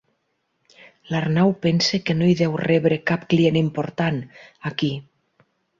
L'Arnau pensa que no hi deu rebre cap client important, aquí.